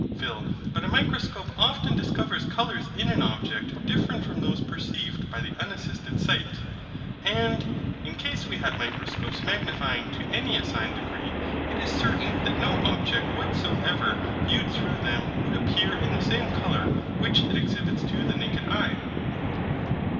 PHIL. But a microscope often discovers colours in an object different from those perceived by the unassisted sight. And, in case we had microscopes magnifying to any assigned degree, it is certain that no object whatsoever, viewed through them, would appear in the same colour which it exhibits to the naked eye.